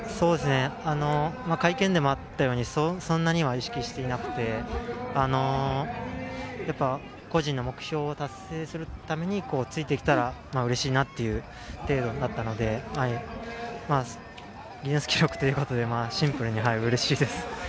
会見でもあったように、そんなには意識していなくて、やっぱり個人の目標を達成するためについてきたらうれしいなっていう程度だったので、ギネス記録ということで、シンプルにうれしいです。